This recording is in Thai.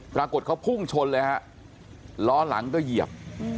ปรากฏเขาพุ่งชนเลยฮะล้อหลังก็เหยียบ